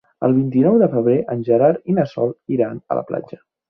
El vint-i-nou de febrer en Gerard i na Sol iran a la platja.